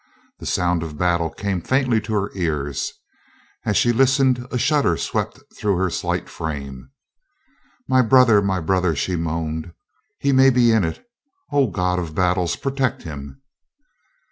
The sound of battle came faintly to her ears. As she listened, a shudder swept through her slight frame. "My brother! My brother!" she moaned, "he may be in it. O God of battles, protect him!"